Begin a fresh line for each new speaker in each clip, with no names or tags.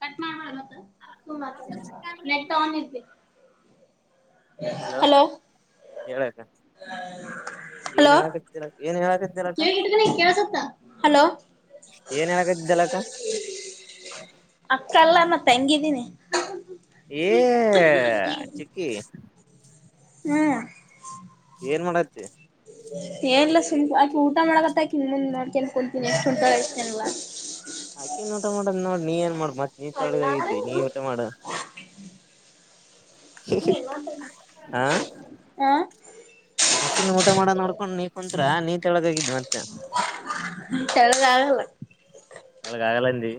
Cut ಮಾಡ ು net on ಇದಬೇಕ
ಅಲೋ ಹೇಳಕ ಏನ್ ಹೇಳತ್ತೀರ ಏನ್ ಹೇಳ
ಕೇಳೇ ಕೇಳಸ ಹಲೋ
ಏನ್ ಹೇಳಕತ್ತಿದ್ದಲಕ್ಕ
ಅಕ್ಕ ಲ್ಲ ನ ತೆಂಗಿದೀನಿ
ಏ ಚಿಕ್ಕಿ ಏನ್ ಮಾಡತ್ತೆ
ಏನ್ಿಲ್ಲುಲ್ಪ ಆಕಿ ಊಟ ಮಾಡಕತ್ತಾಕ ಇನ್ ಮುಂದ್ ನೋಡ್ಕನ್ಕತೀನಿ ಎಕ್ಷ್ಟು ಊಟ ಇ್ತೇನಲ್
ಆಕೆ ನೋಟ ಮಾಡದ್ ನೋಡ್ ನೀಏನ್ ಮತ್ತತ್ ನೀ ತಳಗಗಿದಿ ನೀ ಊಟ ಮಾಡ
ನೀ ಹ
ಆಕಿನ ಊಟ ಮಾಡೋ ನೋಡ್ಕೊಂಡ್ ನೀ ಕುಂತ್ತ್ರ ನೀ ತೆಳಗಗಿದ್ ಮತ್ತೆ
ತೆಳಗ ಆಗಲ್ಲ
ತಳ ಅಗಾಲೀ ಅಂದಿ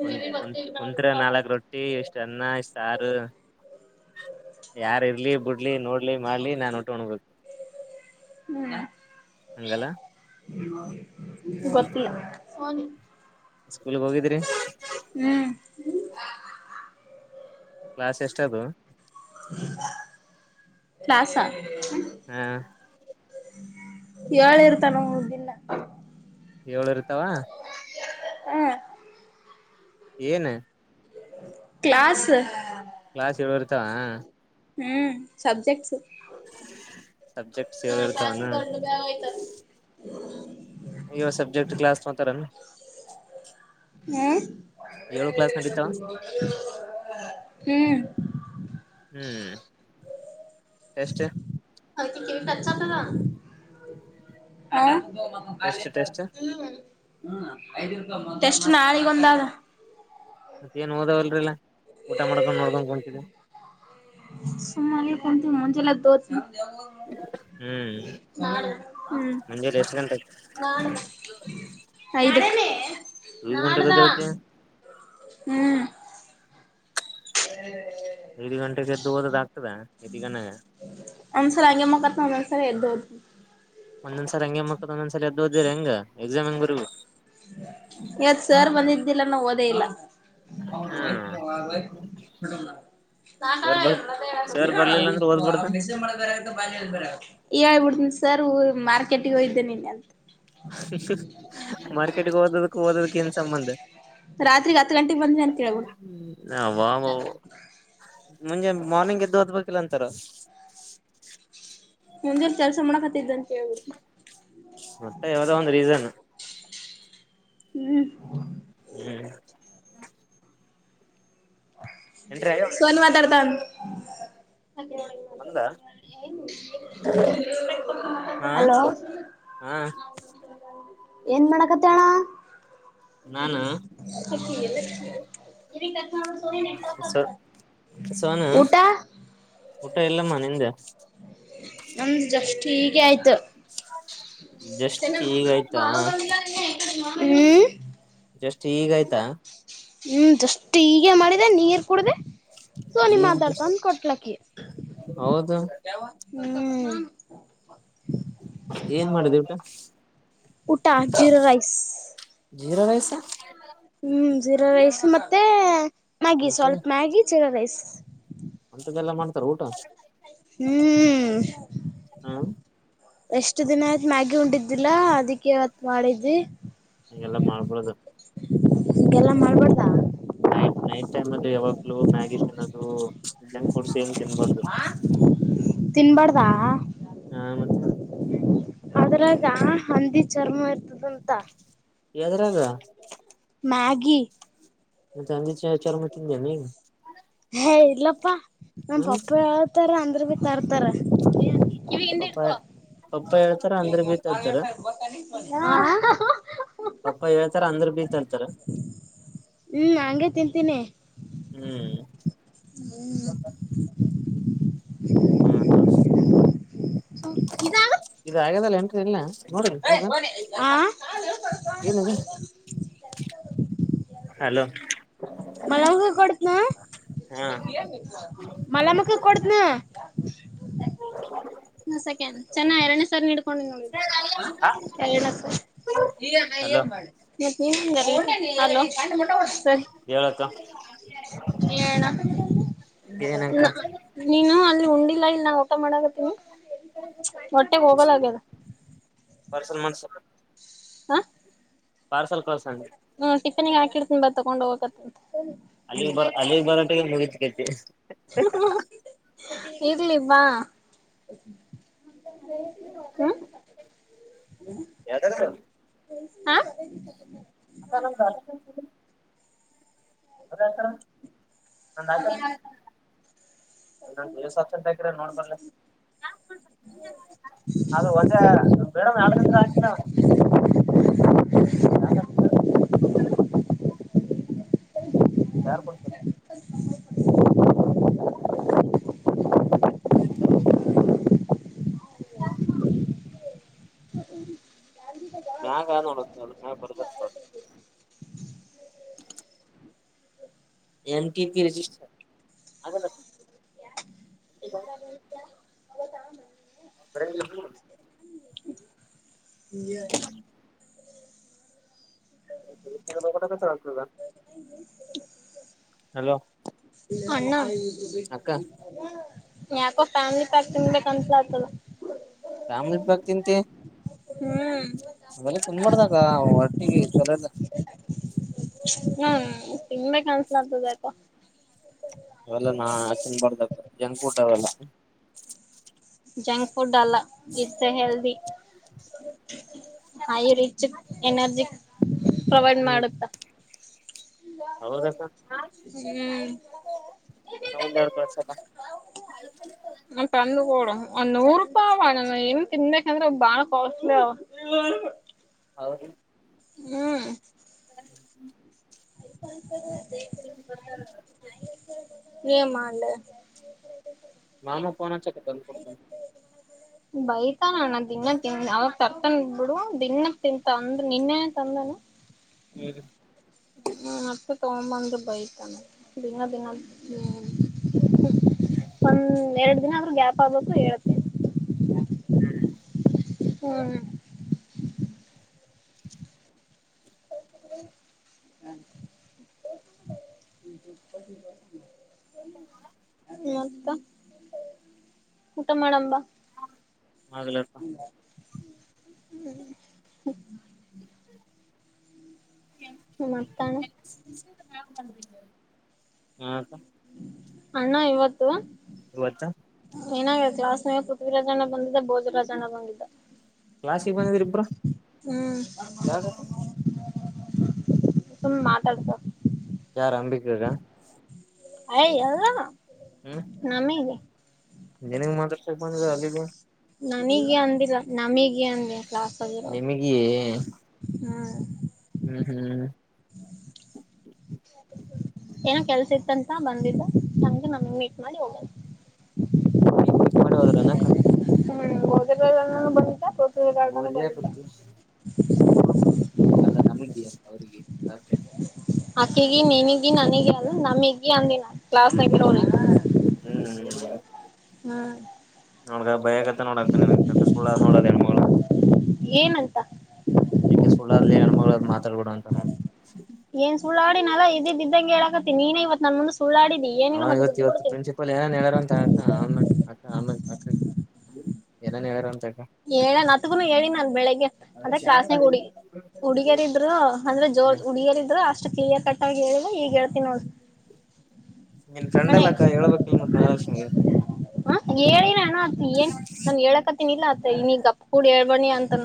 ಕುಂತ್ ಕುತ್ ಕುತ್ರ ನಾಲ್ಕ್ ರೊಟ್ಟಿ ಇಷ್ಟ ಅನ್ನ ಇಷ್ಟ್ ಸಾರು ಯಾರ ಇರ್ಲಿ ಬಿಟ್ಟ ಇಲಿ ನೋಡ್ಲಿ ಮಾಡ್ಲಿ ನಾನ್ ಉಟ್ೊಂಡ ಹೋಗ್ಬೇಕು
ಹೂ ಹೂ ಗೊತ್ತಿಲ್ಲ ಪೋನಿ
ಸ್ಕೂಲ್ಗ್ ಹೋಗಿದ್ರಿ
ಹೂ
ಕಾಸ ಎಷ್ಟದು
ನಾಸ
ಹಾ
ಏಳು ಇರ್ತಾನ ಹ ದನ್ನ
ಏಳು ಇರ್ತಾವ
ಹ್ಮ್
ಏನ
ಕ್ಲಾಸ್
ಕ್ಲಾಸ್ ಎಏಳ್ವರು ತಾವ
ಹ್ಮ್ ಸಬ್ಜೆಕ್ಟ್ಸ್
ಸಬ್ಜೆಕ್ಟ್ಸ್
ನ
ಏಳು
ಕಾಸಿ
ಇರ್ತಾವನ
ತ ಬ ಆಯ್ತಾರೆ ಹ
ಇ ಸಬ್ಜೆಕ್ಟ್ ಕ್ಲಾಸ್ ಮಾಡತಾರ
ಹಾ ಹ್ಮ
ಹ್ಮ್ ಎಟಷ್ಟ
ಹ ಪಚ್ಚಾತ್ತದಾ ಹ
ಟೆಸ್ಟ್ ಟೆಸ್ಟ್
ಷ್ಟು ನಾಳಗ ಒಂದಾದ
ಮತ್ತೇಏನ್ ಓದಾವಲ್ರಿಲ್ಲಾ ಊಟ ಮರಕ ನೋರಕ ಕಚ
ಮಂಜೆಲ್ಲ ದೋ
ಹ್ಮ್
ನಾನು ಹ್ಮ್
ಮುಂಜೆಲಿ ಎಷ್ಟ್ ಗಂಟೆಗೆ
ನಾನ ಹ ಇೇ
ಐದು್ ಗಂಟೆಗೆ ಗದಳತ್ತ
ಹ್ಮ್ ಹ್ಮ
ಐದು ಗಂಟೆಗೆ ದ್ದು ೋದದ ಆಗ್ತದ ನಿಗನಾಗ
ಸರಿ ಎ
ಒಂದ ಸಲ ಅಂಗೆಮಂದ ಸ ದ ಹೆಂಗ ಎಕ್ಸಾಮ್ ಹೆಂಗ್ ಬರ
ಯತ್ ಸರ್ ಬಂದಿದ್ದಿಲ್ಲ ನಾ ಓದೇ ಇಲ್ಲ
ಹ್ಮ್
ಳ
ಸರ್ ಬರ್ ಸರ್ ಬರ್ಲಿಲ್ಲ ಅಂದ್ರೆ ಓದ್ಬಾರ್ದ
ಬಾಲ ಮಾರ್ಕೆಟಗ ಹೋಯ್ದೆ ನಿನ್ನೆ ಅಂತ
[unintelligible] ಮರಿ ತಡ್ಕೊಬೇಕು ಓದಕ್ಕೆ ಏನ್ ಸಂಬಂಧ.
ರಾತ್ರಿಗ್ ಹತ್ ಗಂಟೆಗ್ ಬಂದ್ನಿ ಅಂತ ಹೇಳ್ಬಿಡ್
ಯಾವಾಗದು ಮುಂಜೆ ಮಾರ್ನಿಂಗ್ ಎದ್ದು ಓದ್ಬೇಕಲ್ಲ ಅಂತಾರೆ.
ಮುಂಜಾನೆ ಕೆಲಸ ಮಾಡಾಕತ್ತಿದೆ ಆಂಟಿ.
ಸೊಪ್ಪು ವಾದ ಅಂದ್ರೆ ಇದೇನೇ.
ಹ್ಮ್
ಹೇಳಿ ಆಗ್ಯಾವ
ಸನಿವಾರದವರ್ ಬಂದ್. [inaudible]
ಅಂದ ಹಾ
ಹಲೋ
ಹಾ
ಏನ್ ಮಾಡಾಕತ್ತಾಣ. [inaudible] [inaudible]
ನಾನು
ಸುನಿತಾ ಸೊ [inaudible]
ಸಾ ಸೋನು ಊಟ ಇಲ್ಲಮ್ಮ ನಿಂದ್
ನಂದ್ ಜಸ್ಟ್ ಹೀಗೆ ಆಯ್ತು
ಜಸ್ಟ್ ಈಗ ಆಯ್ತಾ
ಹ್ಮ್
ಜಸ್ಟ್ ಈಗ ಆಯ್ತಾ
ಹ್ಮ್ ಅಷ್ಟು ಈಗೇ ಮಾಡಿದೆ ನೀರ್ ಕುೂಡ್ದ ಸೋನಿ
ಈಗ ಜಸ್ಟ್
ಮಾತಾಡ್ತನ್ ಕೊಟ್ಲಕ್ಕಿ
ಹೌದು
ಹ್ಮ್
ಏನ್ ಮಾಡಿದೆ ಉಟ
ಊಟಾ ಜಿರಾ ರೈಸ್
ಜೀರಾ ರೈಸ್
ಹ್ಮ್ ಜಿರಾ ರೈಸ್ ಮತ್ತೆ ಮ್ಯಾಗಿ ಸ್ವಲ್ಪ ಮ್ಯಾಗಿ ಜಿರ ರೈಸ್
ಅಂತ್ದಲ್ಲಾ ಮಾಡ್ತಾರ ಊಟ
ಹ್ಮ್
ಹ್ಮ
ಎಷ್ಟು ದಿನ ಆಯ್ತು ಮ್ಯಾಗಿ ಉಂಡಿದ್ದಿಲ್ಲಾ ಅದಕ್ಕೆ ಇವತ್ ಮಾಡಿದಿ
ಹಗೆಲ್ಲ ಮಾಡ್ಬಾರ್ದು
ಹಿಂಗೆಲ್ಲ ಮಾಡ್ಬಾರ್ದ
ನೈಟ್ ನೈಟ್ ಟೈಮ್ ಅಲ್ಲಿ ಅದು ಯಾವಾಗ್ಲೂ ಮ್ಯಾಗಿ ತಿನ್ನೋದು ಜಂಕ್ ಫುಡ್ಸ್ ಏನು ತಿನ್ಬಾರ್ದು
ತಿನ್ಬಾರ್ದಾ
ಹಾ ಮತ್
ಇ ಹಂದಿ ಚರ್ಮ ಇರ್ತದ ಅಂತ
ಎದ್ರಾಗ
ಮ್ಯಾಗಿ
ಮ
ಹ ಏ ಇಲ್ಲಪ್ಪಾ ನಮ್ಮ
ಹ್ಮ್
ಪಪ್ಪ ಹೇಳಿ ಬೈತಾರ ಅಂದ್ರ ಬಿ ತರ್ತಾರ ಕಿವಿ
ಪಪ್ಪ
ಹಿಂದುಡ್ಕೋ
ಪಪ್ಪ ಹೇಳ್ತಾರ ಅಂದ್ರ ಬೀತರ್ತಾರ
ಆ
ಪಪ್ಪ ಹೇಳ್ತಾರ ಅಂದ್ರ ಬೀತರ್ತಾರ
ಹುಂ ಹಂಗೆ ತಿಂತಾನ ತಿನ್ನೆ
ಹೂಂ
ಹೂಂ
ಹುಂ ಹಂತ
ಸೊ ಇದಾ ಅ
ಇದಲ್ಲಾ
ಹಾ
ಏನಿದೆ ಹಲೋ
ಮಲ್ಲಮಕಗ್ ಕೊಡ್ತೀನಿ
ಹಾ
ಆ ಮಲ್ಲಮಕ್ಕ ಕೊಡತನಾ ಹ ಸೆಕೆಂಡ ಚೆನ್ನ ಎರಡನೇ ಸಾರಿ ನಿಡ್ಕೊಂಡಿದಿ ನೋಡು ನನು
ಹಲೋ ಹೇಳಕ್ಕ
ಹೇಳ ಅಕ್ಕ ನಿಯನು ಮಂದ ವಲಿ ಆ
ಏನಕ್ಕ
ಹಳೋ ನೀನು ಅಲ್ಲಿ ಉಂಡಿದಿ ಇಲ್ಲಾ ಇಲ್ಲಾ ನಾ ಊಟಾ ಮಾಡಕತ್ತೀನಿ ಹೊಟ್ಟೆೆಗ ಹೋಗಲಾಗ್ಯದ
ಪರ್ಸನ್ ಮನ್ಸು
ಹ್
ಪಾರ್ಸಲ್ ಕಳಸಂದ್ಯ
ಟಿಪ್ಪನಗೆ ಹಾಕಿಡ್ತೀನಿ ಬಾ ತಗೊಂಡ ಹೋಗಕತ್ತಿ
ಅಲ್ಲಿಗ್ ಬ ಅಲ್ಲಿಗ್ ಬರೋಟಿಗೆ ಮುಗಿದಕೈತಿ
ಇರ್ಲಿ ಬಾ ಹುಂ
ಯಾರದಾರ
ಹೌ
ಆಗ್ತಾನಂದ ಅದೇ ಆಗ್ತಾರಾ ನಂದ್ ಹಾಜರಿ ನಂದ್ ಹೆಸ್ ಅಪ್ಸೆಟ್ಟ್ ಆಕೆರಲ್ಲ ನೋಡು ನೋಡ್ಬರ್ಲ್ಲ ಆದರ ಒಂದ ಮೇಡಮ್ ಎರಡದಿಂದ ಹಾಕಿದ ಯಾಕಾಕಿದ್ರೆ ಹೇಳು ಯಾರ ಕೊಡಿಸೇರ್ ಹ್ಯಾಂಗದ ನೋಡು ಅದರ ಮ್ಯಾಲ ಬರಬಸ್ ಎಲ್ ಕೆಜಿ ರಿಜಿಸ್ಟರ್ ಫ್ರೇಂಡ್
ಈ ಆ
ಕಟ ಕಸ ಆದ ಹಲೋ
ಅಣ್ಣ ಹೂ
ಅಕ್ಕ
ಯಾಕೋ ಫ್ಯಾಮಿಲಿ ಪ್ಯಾಕ್ ತಿನ್್ಬೇಕ ಅನ್ತ್ಲ ಆತದ
ಫ್ಯಾಮಿಲಿ ಪ್ಯಾಕ್ ತಿಂತೆ
ಹೂ
ಅಅವೆಲ್ಲ ತಿನ್ ಬರ್ಡುಕ್ಕ ಹೊತ್ತಿಗೆ ಚಲ ಹೂ
ಹೂ ನಿ್ೇ ಕನ್ಸಲಂತದ ಯಾಕೋ
ಅವಲ್ಲ ನಾ ಚನ್ ಬರ್್ದ ಜನ ುಟ ಅವೆಲ್ಲ
ಜಾಂಕ್ಫುಡ್ ಲ್ಲ ಇರ್ಸ ಹೆಲ್ದಿ ಹ ರಿಚ್ ಎನರ್ಜಿ ಪ್ರೊವೈಡ್
ಹ್ಮ್
ಮಾಡುತ್ತ
ಹೌದಕ್ಕ ನನ ಒಂದ್ ಎರಡ್ ಕಳ್ಸಕ್ಕ
ಹೂ ತಂದು ಕೊಡು ಒಂದ ನೂರು ರೂಪಾಯಿ ಬಳ ಏನ್ ತಿನ್ಕ ಅಂದ್ರೆ ಬಾಳ ಕಾಸ್ಟ್ಲಿ ಅವ
ಹೌದು
ಹೂ ಫನ್ಸ
ಬದತಿ
ಎನ್ ಮಾಂಡ
ಮಾಾಮಾ ಪೋನ ಚ ಕ ಕೊಡ
ಬೈ ನ ತಿನ್ನ ತಿಿಂದ ಅವಾಗ ತರ್ತ ನಡು ದನ್ನ ತಿಂತ ಅಂದ ನಿನ್ನೆ ತಂದನು
ಹೂ
ತಗೊಂದ ಬೈತಾನ ದಿನ ದಿನ ಹೂ ಒಂದ ಎರಡು ಿನ ಅವ್ರರು ಗ್ಯಾಪ್ ಆಗ್ಬೇಕು ಹೇಳ್ನಿ
ಹ್ಮ್
ಹೂ ಹ ಮತ್ತ ಊಟ ಮಾಡೋಣ ಬಾ
ಅಗಲಿ
ಹ್ಮ್ ಹ್ಮ ಮತ್ತಾನ
ಹಾ
ಅಣ್ಣ ಇವತ್ತು
ಬ ಚಾ
ಏನಾಗ ಆಸ್ನೇ ಪೃಥ್ವಿರಾಜ ಅಣ್ಣ ಬಂದಿದ್ದ ಭೋಜರಾಜ ಅಣ್ಣ ಬಂದಿದ್ದ
ಕ್ಲಾಾಸಿಗೆ ಬಂದಿದ್ರರಿಬ್ರ
ಹ್ಮ್
ಯಾವಾಗತ್ತ
ಸುಮ್ ಮಾತಾಡ್ತ
ಯಾರು ಅಂಬಿಕರ
ಆಯ್ ಅಲ್ಲ
ಹ್ಮ್ ಇನಂಗ ಮಾತ್ರ ಬಂದ ಅಲ್ಲಿಗೆ
ನನಗೆ ಅಂದಿಲ್ಲ ನಮಗೆ ಅಂದ ಕ್ಾಾಸಿರೋ
ನಿಮಗೆ
ಹ್ಮ್
ಹ್ಮ್ ಹ್ಮ್
ಏನೋ ಕೆಲ್ಸ ಇತ್ತಂತ ಬಂದಿದ್ದು ನಮಗೆ ನಮಗೆ ಮೀಟ್ ಮಾಡಿ ಹೋಗ
ನೀವುಕ್ ಮಾಡಿ ಹದ್ರ ಅನಾಕ್ಕ
ಹ್ಮ
ಯಾರ
ಬಂದಿದ್ದ
ಬೋತಿ ಅಲ್ಲ ನಾಮ ಅವಿಗೆ ನಾ
ಆಕೆಗಿ ನೈನೆಗಿ ನನಗ ಅಲ್ಲ ನಾನಗಿ ಅಂದಿನ ಲಾಸ್ ಬಿರ ಹಣ
ಹ್ಮ
ಹ್ಮ್
ನೋ ಭಯಗತ ನೋಡ ಕುಳ್ಳ ನೋಡನ ಮಗಳ
ಏನಂತ
ಇದಕ್ಕೆ ಸಳ್ಳಾರಲ್ಲಿ ಹೆಣ್ಮಗಳು ಮಾತಾಡ್ಬೊಡ ಅಂತ ಹಾ
ಏನ್ ಸುಳ್ಳಾಡಿಿನಲ್ಲ ಇದಿದ್ದಂಗೆ ಹೇಳಕತ್ತೀ ನ ನೀನೇ ಇವತ್ ನನ್ ಮುುಸ
ಹಾ ಇವತ್ ಇವತ್ತು ಪ್ರಿನ್ಸಿಪಲ್ ಏನ್ ಹೇಳಾರ ಅಂತ ಅಕ್ಕ ಆಮ ಅಕ್ಕ ಆಮ ಅ ಏನನ್ ಯಾರ ಅಂತ
ಏನ್ತ್ಗುನು ಹೇಳಿ ನನ್ ಬೆಳಿಗ್ಗೆ ಅಂದ್ರೆ ಕ್ಲಾಸ್ನಾಗ ಹುಗ ಹುಡುಗಿಯರ ಇದ್ರು ಅಂದ್ರೆ ಜೋರ್ ಹುಡುಗರ ಇದ್ರು ಅಷ್ಟು ಕ್ಲಿಯರ್ ಕಟ್ಟ ನಾವ್ ಹೇಳುವ ಹ ಈಗ ಹೇಳ್ತೀಿ ಅ
ನೀನ್ ಫ್ರೆಂಡ್ಲ್ಲ ಅಕ್ಕ ಹೇಳಳ್ಬೇಕಲ್ ಮತ್ತ ಮಲಕ್ಷಗೆ
ಹ ಹೇಳಿ ನ ಗಪ್ಪುಡ ಕೇಳ್ಬನ್ನಿ ಅಂತನ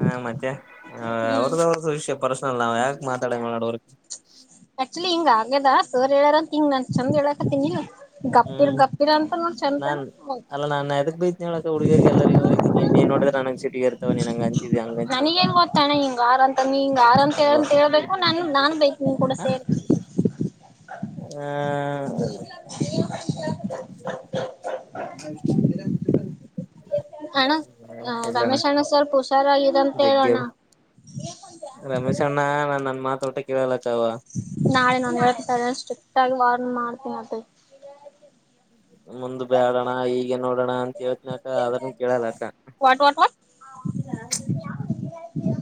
ಹಾ ಮತ್ತೆ ಹ ಅವ್ರದ್ದ ಅವ್ರದ್ದು ವಿಷ್ಯ ಪರ್ಸ್ನಲ್ ನಾವ್ ಯಾಕೆ ಮಾತಾಡ [inaudible]
ಆಕ್ಚುಲಿ ಹಿಂಗ ಆಗ್ಯದ ಸರ್ ಹೇಳ್ಯಾರಂತ ಹಂಗ ನಾನ್ ಚಂದ್ ಹೇಳಾಕತ್ತೀನಿ
ಹ್ಮ್ ನಾನ್ ಅಲ್ಲ ನಾನ್ ಎದಕ್ ಬೈತ್ನ ಹೇಳಕ ಹುಡ್ಗಿಯರ್ರಿಗೆ ಎಲ್ಲರಿ ಹಿ ನೀ ನೀನ್ ನೋಡಿದ್ರ ನನಂಗ ಚ ಸಿಟಗ ಇರ್ತವ ನೀನ್ ಹಂಗ ಅಂಚಿದೀವಿ ಹಂಗಂಚಿವಿ ಅಂತ
ನೀನ ಯಾರ ಅಂತ
ವಾ
ಅಂತೇಳ್ಬೇಕು ನಾನು ನಾನ್ ಬೇಯಿತಿನಿ ನಿನ್ನಕೂಡ
[inaudible] ಹಾ [inaudible]
ಅಣ್ಣ
ಹೇಳಣ್ಣ ಇಲ್ಲ ಅಣ್ಣ
ರಮೇಶ್ ಸ್ವಲ್ಪ ಹುಷಾರಾಗಿರಂತ
ಜಗ್ಗೆ ಆದ
ಹೇಳೋಣ
ಮಾತೋಟ ಕೇಳಳ
ನಾಳೆ ನಮ್ಮ ಶಾಲೆಗ ಸ್ಟ್ರಿಕ್ಟ ಆಗಿ ವಾರನ್ ಮಾಡ್ತೀನಿ ಅಪ್ಪಿ
ಮುಂದ ಬೇಡಅಣ್ಣ ಹೀಗೆ ನೋಡ ಅಣ್ಣ ಕೆೇಳತೀನ ಅಕ ಅದನ ಕೇಳಲ ಅಕ್ಕ
ವಾಟ್ ವಾಟ್ ವಾಟ್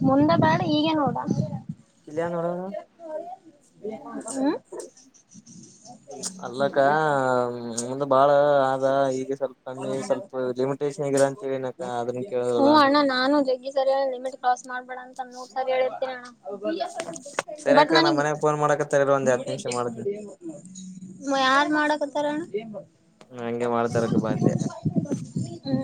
ಮುಂದೆ ಬೇಡ ಈಗೆ ನೋಡ
ಕಿಲ್ಯ ನೋಡನು [inaudible] ಅಲ್ಲಕ್ಕ ಅದು ಬಾಳ ಆದ ಈಗ ಸ್ವಲ್ಪ ಕಮ್ಮಿ ಸ್ವಲ್ಪ ಲಿಮಿಟೇಷನ್ ಆಗಿರ ಅಂತ ಹೇಳಿನಕ್ಕ ಅದನ್ನ ಕೇಳೋದಲ್ಲ
ಹ್ಮ ಅಣ್ಣ ನಾನು ಜಗ್ಗಿ ಸರಿ ಹೇಳೀನಿ ಲಿಮಿಟ್ ಕ್ರಾಸ್ ಮಾಡ್ಬೇಡ ಅಂತ ನೂರು ಸರಿ ಹೇಳೀನಿ
ಸರಿ
ಬಟ್
ಅಕ್ಕ ನಮ್
ನನಗ್
ಮನ್ಯಾಗ ಫೋನ್ ಮಾಡಕತ್ತಾರ ಇರು ಒಂದ್ ಹತ್ ನಿಮಿಷ ಮಾಡ್ತನಿ
[inaudible] ಯಾರ್ ಮಾಡಕತ್ತುರಣ
ಹಂಗೆ ಮಾಡ್ತಾರಕ್ಕ ಬಂದೆ